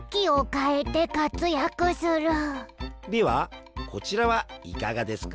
ではこちらはいかがですか？